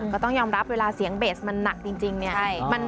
ก็ต้องยอมรับเวลาเสียงเบสมันหนักจริงเนี่ย